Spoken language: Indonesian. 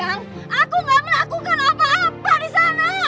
aku gak melakukan apa apa di sana